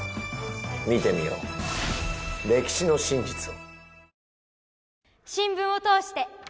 見てみよう歴史の真実を。